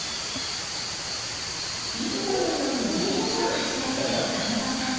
いつもように自転車を走らせる岡本さん。